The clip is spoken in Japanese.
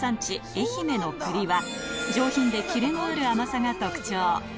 愛媛の栗は上品でキレのある甘さが特徴